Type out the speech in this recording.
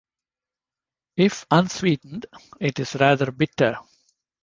If unsweetened, it is rather bitter.